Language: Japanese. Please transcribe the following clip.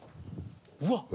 うわっ！